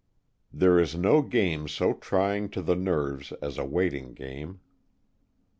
There is no game so trying to the nerves as a waiting game.